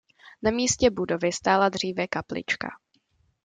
Na místě budovy stávala dříve kaplička.